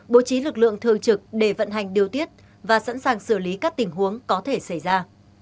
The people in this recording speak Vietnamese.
bố trí lực lượng thường trực để vận hành điều tiết và sẵn sàng xử lý các tình huống có thể xảy ra